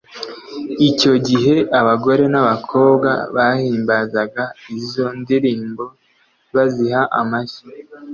Icyo gihe abagore n'abakobwa bahimbazaga izo ndirimbo baziha amashyi.